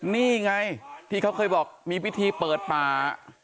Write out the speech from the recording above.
นี่ไงที่เขาเคยบอกมีพิธีเปิดป่า